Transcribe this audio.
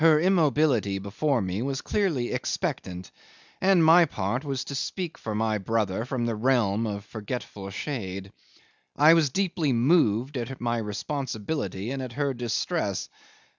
'Her immobility before me was clearly expectant, and my part was to speak for my brother from the realm of forgetful shade. I was deeply moved at my responsibility and at her distress.